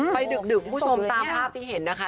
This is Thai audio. ดึกคุณผู้ชมตามภาพที่เห็นนะคะ